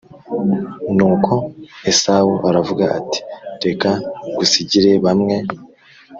Nuko Esawu aravuga ati reka ngusigire bamwe